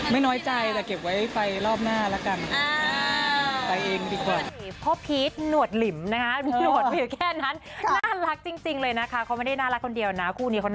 น้อยใจแต่เก็บไว้ไฟรอบหน้าแล้วกัน